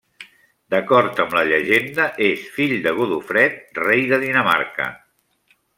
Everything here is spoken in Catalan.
D'acord amb la llegenda, és fill de Godofred, rei de Dinamarca.